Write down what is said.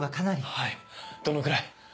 はいどのぐらい。